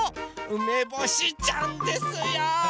うめぼしちゃんですよ！